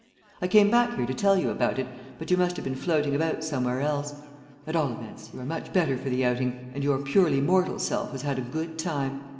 I came back here to tell you about it, but you must have been floating about somewhere else. At all events, you are much better for the outing, and your purely mortal self has had a good time.